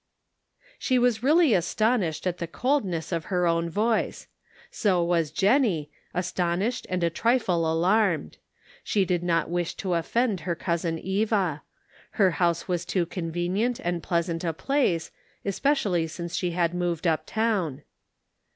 She was really astonished at the coldness of her own voice. So was Jennie, astonished and a trifle alarmed ; she did not wish to offend her cousin Eva ; her house was too convenient and pleasant a place, especially since she had moved up town.